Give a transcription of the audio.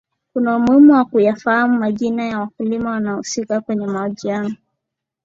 kuna umuhimu wa kuyafahamu majina ya wakulima wanaohusika kwenye mahojiano